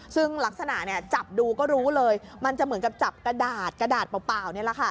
ซึ่งลักษณะเนี่ยจับดูก็รู้เลยมันจะเหมือนกับจับกระดาษกระดาษเปล่านี่แหละค่ะ